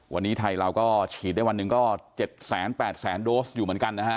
วันนี้ไทยเราก็ฉีดได้วันหนึ่งก็๗๘๐๐๐โดสอยู่เหมือนกันนะฮะ